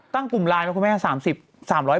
ตั้งกลุ่มไลน์ของคุณแม่๓๐บาท